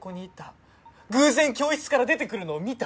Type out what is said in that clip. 「偶然教室から出てくるのを見た」